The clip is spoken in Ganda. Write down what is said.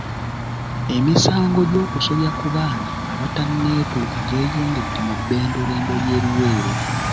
Emisango gy'okusobya ku baana abatanneetuuka gyeyongedde mu bbendobendo ly'e Luweero.